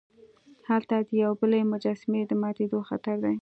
هلته د یوې بلې مجسمې د ماتیدو خطر دی.